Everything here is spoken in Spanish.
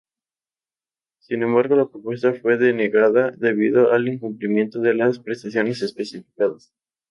Sin embargo la propuesta fue denegada, debido al incumplimiento de las prestaciones especificadas.